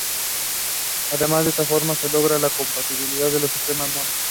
Además, de esta forma se logra la compatibilidad con los sistemas mono.